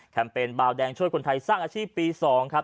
เปญบาวแดงช่วยคนไทยสร้างอาชีพปี๒ครับ